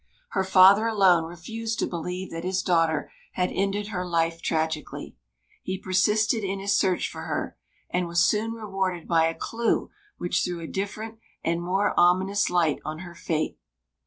Her father alone refused to believe that his daughter had ended her life tragically. He persisted in his search for her, and was soon rewarded by a clue which threw a different and more ominous light on her fate.